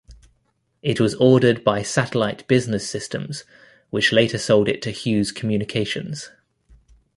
It was ordered by Satellite Business Systems, which later sold it to Hughes Communications.